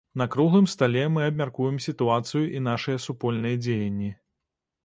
На круглым стале мы абмяркуем сітуацыю і нашыя супольныя дзеянні.